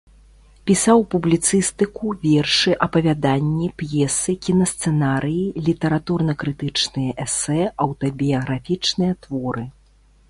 Пісаў публіцыстыку, вершы, апавяданні, п'есы, кінасцэнарыі, літаратурна-крытычныя эсэ, аўтабіяграфічныя творы.